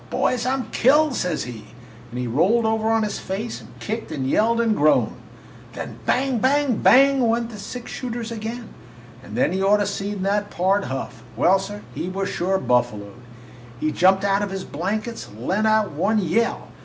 'Boys, I 'm killed!' says he, and he rolled over on his face and kicked and yelled and groaned. Then bang! bang! bang! went the six shooters again; and then you ought to have seen that Pard Huff! Well, sir, he was sure buffaloed! He jumped out of his blankets and let out one yell.